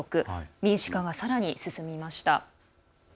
民主化がさらに進みました。